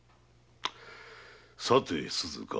さて鈴華。